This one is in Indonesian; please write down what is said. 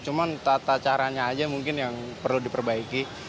cuma tata caranya aja mungkin yang perlu diperbaiki